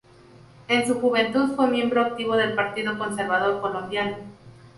En su juventud fue miembro activo del Partido Conservador Colombiano.